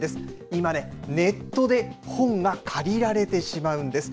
今、ネットで本が借りられてしまうんです。